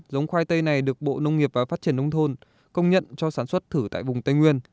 giống khoai tây này được bộ nông nghiệp và phát triển nông thôn công nhận cho sản xuất thử tại vùng tây nguyên